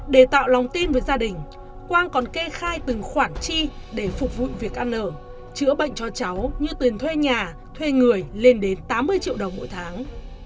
để tạo lòng tin với gia đình quang còn kê khai từng khoản chi để phục vụ việc ăn ở chữa bệnh cho cháu như tuyền thuê nhà thuê người lên đến tám mươi triệu đồng mỗi tháng